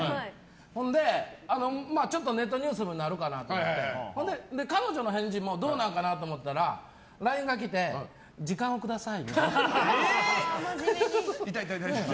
ほんで、ネットニュースにもなるかなと思って彼女の返事もどうなんかなと思ったらＬＩＮＥが来て時間をくださいって。